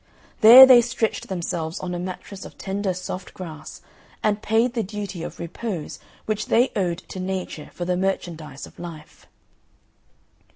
There they stretched themselves on a mattress of tender soft grass, and paid the duty of repose which they owed to Nature for the merchandise of life.